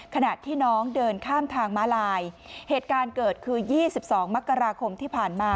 ขณะที่น้องเดินข้ามทางม้าลายเหตุการณ์เกิดคือ๒๒มกราคมที่ผ่านมา